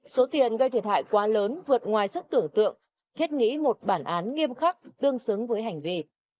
số tiền gây thiệt hại quá lớn vượt ngoài sức tưởng tượng thiết nghĩ một bản án nghiêm khắc tương xứng với hành vi